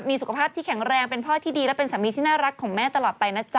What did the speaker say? มีสุขภาพที่แข็งแรงเป็นพ่อที่ดีและเป็นสามีที่น่ารักของแม่ตลอดไปนะจ๊